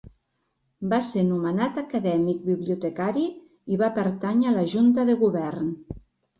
Va ser nomenat Acadèmic Bibliotecari i va pertànyer a la Junta de Govern.